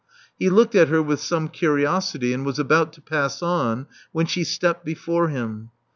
He looked at her with some curiosity, and was about to pass on, when she stepped before him.